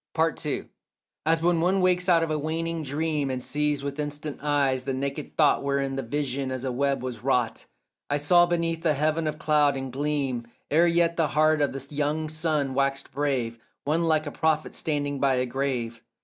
PART II As when one wakes out of a waning dream And sees with instant eyes the naked thought Whereof the vision as a web was wrought, I saw beneath a heaven of cloud and gleam, Ere yet the heart of the young sun waxed brave, One like a prophet standing by a grave.